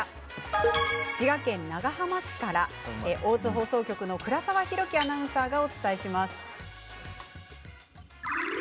滋賀県長浜市から大津放送局の倉沢宏希アナウンサーがお伝えします。